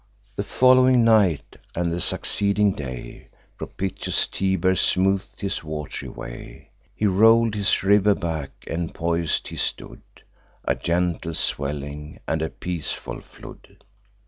The foll'wing night, and the succeeding day, Propitious Tiber smooth'd his wat'ry way: He roll'd his river back, and pois'd he stood, A gentle swelling, and a peaceful flood.